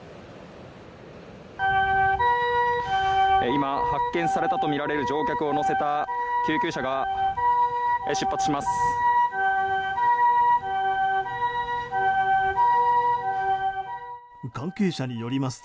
今、発見されたとみられる乗客を乗せた救急車が出発します。